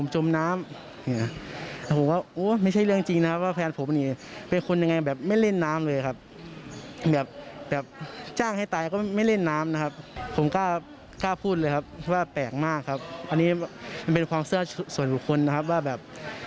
จะมีแบบประมาณแบบว่าตัวตายตัวแทนอย่างงี้นะครับ